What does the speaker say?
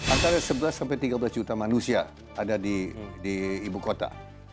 antara sebelas tiga belas juta manusia ada di ibu kota